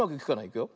いくよ。